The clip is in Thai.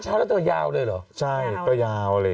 จะยาวเลยเหรอใช่ก็ยาวอะไรเนี้ย